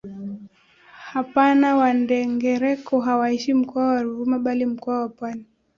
Hapana Wandengereko hawaishi Mkoa wa Ruvuma bali mkoa wa Pwani